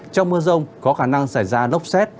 trong mưa rông có khả năng xảy ra lốc xét